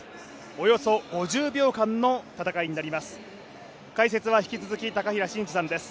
およそ５０秒間の戦いになります。